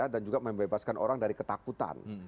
dan juga membebaskan orang dari ketakutan